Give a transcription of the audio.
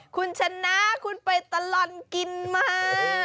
คุณชนะคุณไปตลอดกินมา